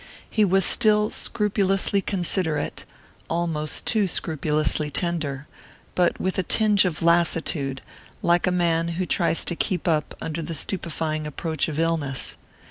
He was still scrupulously considerate, almost too scrupulously tender; but with a tinge of lassitude, like a man who tries to keep up under the stupefying approach of illness.